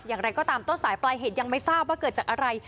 อย่างไรก็ตามต้นสายปลายเหตุยังไม่ทราบว่าเกิดจากอะไร